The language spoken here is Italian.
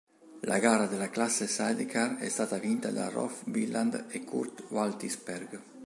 La gara della classe sidecar è stata vinta da Rolf Biland e Kurt Waltisperg.